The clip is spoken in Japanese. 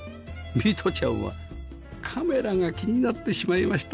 美澄ちゃんはカメラが気になってしまいました